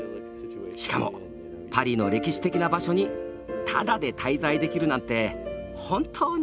しかもパリの歴史的な場所にタダで滞在できるなんて本当に幸せです。